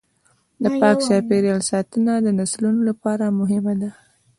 د پاک چاپیریال ساتنه د نسلونو لپاره مهمه ده.